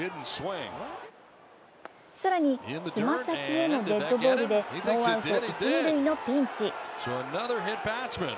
更につま先へのデッドボールでノーアウト一・二塁のピンチ。